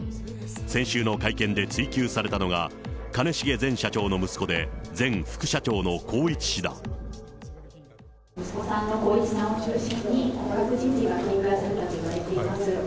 先週の会見で追及されたのが、兼重前社長の息子で、息子さんの宏一さんを中心に、降格人事が繰り返されてたと言われています。